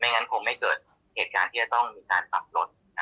งั้นคงไม่เกิดเหตุการณ์ที่จะต้องมีการปรับลด